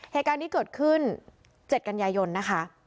เหตุการณ์ที่เกิดขึ้นเจ็ดกัญญายนนะคะ